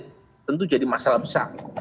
tentu jadi masalah besar